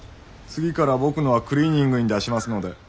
次から僕のはクリーニングに出しますので。